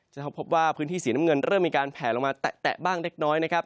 จะพบว่าพื้นที่สีน้ำเงินเริ่มมีการแผลลงมาแตะบ้างเล็กน้อยนะครับ